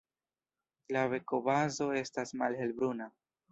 La bekobazo estas malhelbruna.